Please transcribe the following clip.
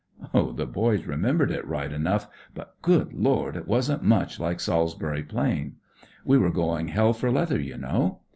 Oh, the boys remembered it right enough. But, good Lord, it wasn't much like SaUsbury Plain. We were going hell for leather, you know.